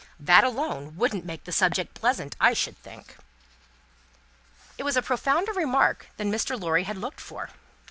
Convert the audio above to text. That alone wouldn't make the subject pleasant, I should think." It was a profounder remark than Mr. Lorry had looked for.